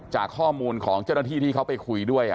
จากข้อมูลของเจ้าหน้าที่ที่เขาไปคุยด้วย